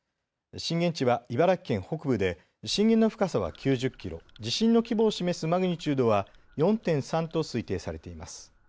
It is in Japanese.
震源地は茨城県北部で震源の深さは９０キロ、地震の規模を示すマグニチュードは４．３と推定されています。